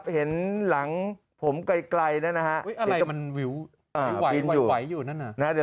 เห็นหลังผมไกลนะนะฮะจะบินอยู่วัยอยู่นั่นน่ะนะเดี๋ยว